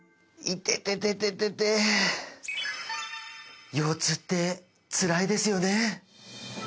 いてててて腰痛ってつらいですよね